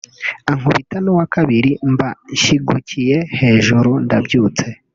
ankubita n’uwa kabiri mba nshigukiye hejuru ndabyutse